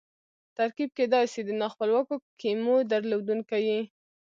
ترکیب کېدای سي د نا خپلواکو کیمو درلودونکی يي.